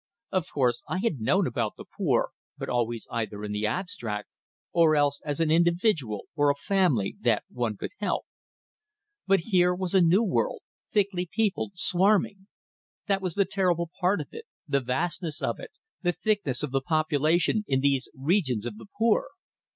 Of course, I had known about "the poor," but always either in the abstract, or else as an individual, or a family, that one could help. But here was a new world, thickly peopled, swarming; that was the terrible part of it the vastness of it, the thickness of the population in these regions of "the poor."